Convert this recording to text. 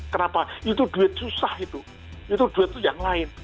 kenapa itu duit susah itu itu duit itu yang lain